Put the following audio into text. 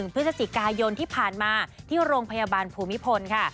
พฤศจิกายนที่ผ่านมาที่โรงพยาบาลภูมิพลค่ะ